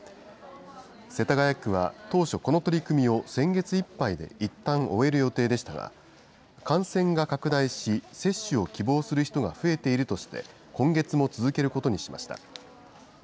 世田谷区は、当初、この取り組みを先月いっぱいでいったん終える予定でしたが、感染が拡大し、接種を希望する人が増えているとして、今月も続けることにしました。